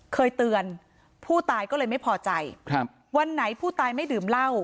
เคยเตือนผู้ตายก็เลยไม่พอใจครับวันไหนผู้ตายไม่ดื่มเหล้า